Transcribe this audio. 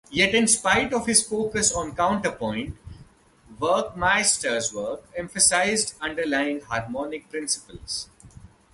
Yet in spite of his focus on counterpoint, Werckmeister's work emphasized underlying harmonic principles.